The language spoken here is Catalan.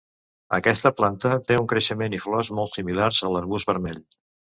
Aquesta planta té un creixement i flors molt similars a l'arbust vermell.